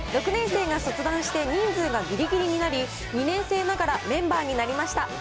６年生が卒団して人数がぎりぎりになり、２年生ながらメンバーになりました。